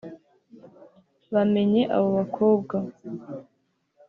bamenye abo bakobwa